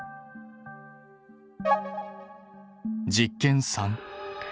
実験３。